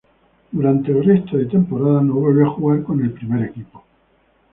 Durante el resto de temporada no volvió a jugar con el primer equipo.